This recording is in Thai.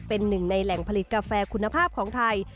เป็นหนึ่งในแหล่งผลิตกาแฟคุณภาพของไทย